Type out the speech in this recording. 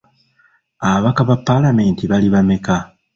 Ababaka ba paalamenti bali bameka?